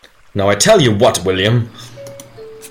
Now, I tell you what, William!